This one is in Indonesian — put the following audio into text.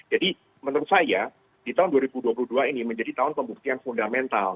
jadi menurut saya di tahun dua ribu dua puluh dua ini menjadi tahun pembuktian fundamental